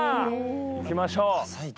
行きましょう。